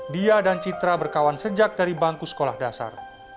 dia dan citra berkawan sejak dari bangku sekolah dasar